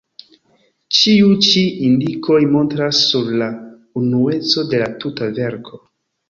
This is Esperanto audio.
Ĉiu ĉi indikoj montras sur la unueco de la tuta verko.